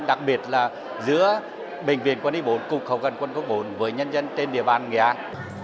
đặc biệt là giữa bệnh viện quân y bốn cục hậu cần quân khu bốn với nhân dân trên địa bàn nghệ an